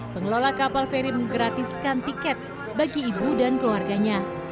pengelola kapal feri menggratiskan tiket bagi ibu dan keluarganya